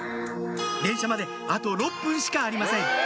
電車まであと６分しかありませんえ